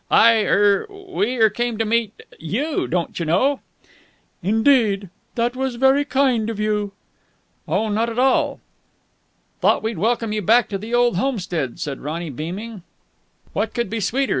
"I er we er came to meet you, don't you know!" "Indeed! That was very kind of you!" "Oh, not at all." "Thought we'd welcome you back to the old homestead," said Ronny beaming. "What could be sweeter?"